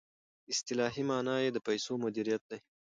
اصطلاحي معنی یې د پیسو مدیریت دی.